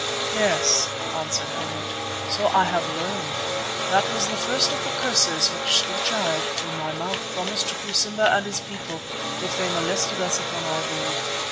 "Yes," answered Harût, "so I have learned. That was the first of the curses which the Child, through my mouth, promised to Simba and his people if they molested us upon our road.